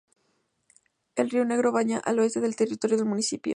El río Negro baña el oeste del territorio del municipio.